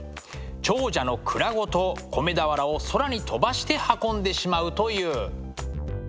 長者の倉ごと米俵を空に飛ばして運んでしまうという。